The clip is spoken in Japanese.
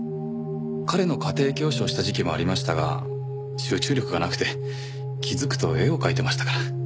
彼の家庭教師をした時期もありましたが集中力がなくて気づくと絵を描いてましたから。